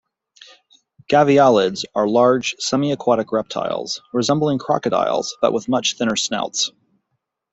Gavialids are large semiaquatic reptiles, resembling crocodiles, but with much thinner snouts.